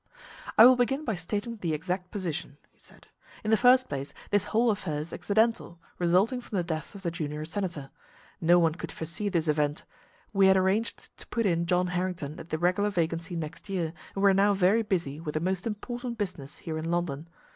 "I will begin by stating the exact position," he said. "In the first place this whole affair is accidental, resulting from the death of the junior senator. No one could foresee this event. We had arranged to put in John Harrington at the regular vacancy next year, and we are now very busy with a most important business here in London.